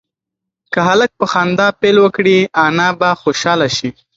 که هلک په خندا پیل وکړي انا به خوشحاله شي.